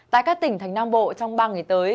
tại các tỉnh thành nam bộ trong ba ngày tới